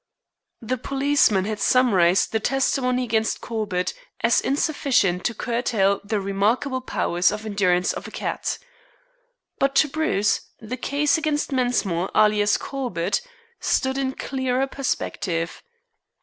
The policeman had summarized the testimony against Corbett as insufficient to curtail the remarkable powers of endurance of a cat. But to Bruce the case against Mensmore, alias Corbett, stood in clearer perspective.